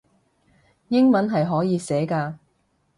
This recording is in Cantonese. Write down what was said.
英文係可以寫嘅